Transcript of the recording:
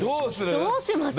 どうします？